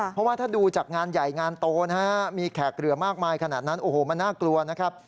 เพราะว่าถ้าดูจากงานใหญ่งานโตนะฮะมีแขกเหลือมากมายขนาดนั้นโอ้โหมันน่ากลัวนะครับ